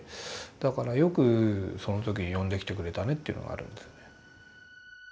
だからよくその時に呼んできてくれたねというのがあるんですね。